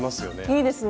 いいですね！